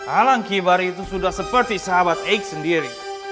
alang kibar itu sudah seperti sahabat x sendiri